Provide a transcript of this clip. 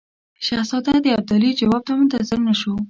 شهزاده د ابدالي جواب ته منتظر نه شو.